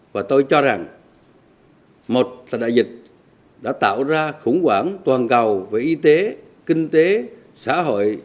và tôi cho rằng một là đại dịch đã tạo ra khủng hoảng toàn cầu về y tế kinh tế xã hội